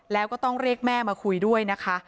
แล้วก็ต้องเรียกแม่มาคุยด้วยนะคะ